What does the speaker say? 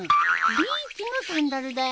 ビーチのサンダルだよ？